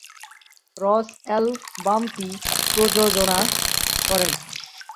রস অ্যালবামটি প্রযোজনা করেন।